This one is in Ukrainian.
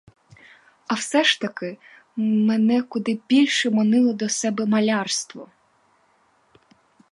А все ж таки мене куди більше манило до себе малярство.